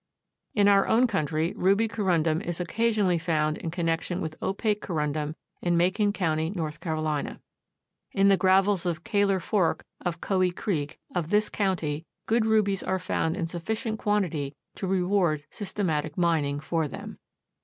In our own country ruby Corundum is occasionally found in connection with opaque Corundum in Macon County, North Carolina. In the gravels of Caler Fork of Cowee Creek of this county good rubies are found in sufficient quantity to reward systematic mining for them.